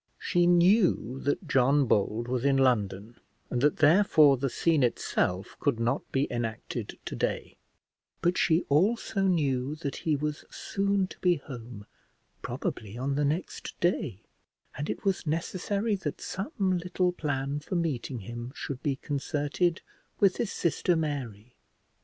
She knew that John Bold was in London, and that, therefore, the scene itself could not be enacted to day; but she also knew that he was soon to be home, probably on the next day, and it was necessary that some little plan for meeting him should be concerted with his sister Mary.